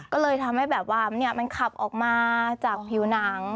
ก็เลยทำให้แบบว่ามันขับออกมาจากผิวหนัง